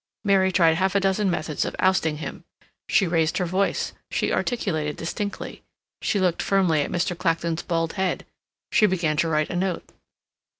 Mary tried half a dozen methods of ousting him. She raised her voice, she articulated distinctly, she looked firmly at Mr. Clacton's bald head, she began to write a note.